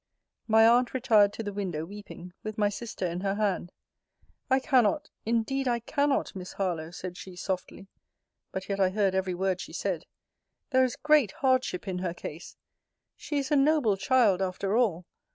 My aunt retired to the window, weeping, with my sister in her hand: I cannot, indeed I cannot, Miss Harlowe, said she, softly, (but yet I heard every word she said): there is great hardship in her case. She is a noble child after all.